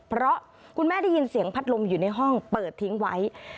เพราะคุณแม่ได้ยินเสียงพัดลมอยู่ในห้องเปิดทิ้งไว้